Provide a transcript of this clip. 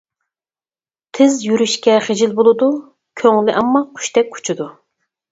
تىز يۈرۈشكە خىجىل بولىدۇ كۆڭلى ئەمما قۇشتەك ئۇچىدۇ.